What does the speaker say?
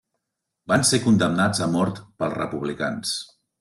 Van ser condemnats a mort per republicans.